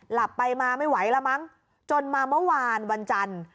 หลับไปมาไม่ไหวแล้วมั้งจนมาเมื่อวานวันจันทร์